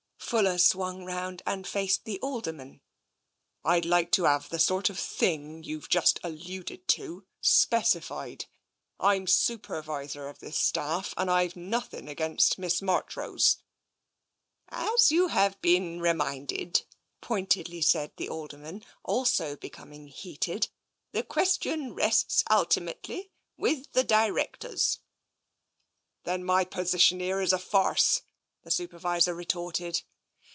Fuller swung round and faced the Alderman. " I'd like to have the sort of thing you've just al luded to, specified. I'm Supervisor of this staff, and I've nothing against Miss Marchrose." " As you have just been reminded," pointedly said the Alderman, also becoming heated, " the question rests ultimately with the directors." TENSION 233 " Then my position here is a farce," the Supervisor retorted.